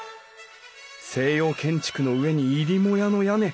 西洋建築の上に入母屋の屋根。